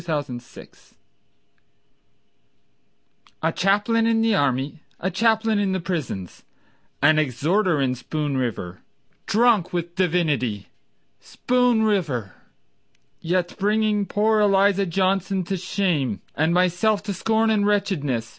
Ezra Bartlett A chaplain in the army, A chaplain in the prisons, An exhorter in Spoon River, Drunk with divinity, Spoon River— Yet bringing poor Eliza Johnson to shame, And myself to scorn and wretchedness.